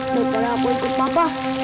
bapak aku ikut papa